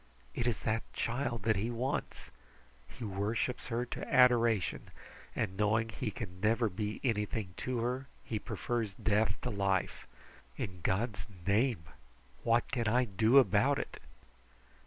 It is that child that he wants! He worships her to adoration, and knowing he can never be anything to her, he prefers death to life. In God's name, what can I do about it?"